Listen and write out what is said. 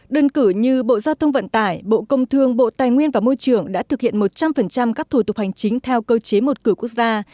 đơn cử như bộ giao thông vận tải bộ công thương bộ tài nguyên và môi trường đã thực hiện một trăm linh các thủ tục hành chính theo cơ chế một cửa quốc gia